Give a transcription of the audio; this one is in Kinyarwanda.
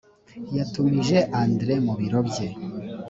yatumije andre mu biro bye